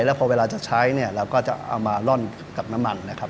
แล้วพอเวลาจะใช้เราก็จะเอามาร่อนกับน้ำมัน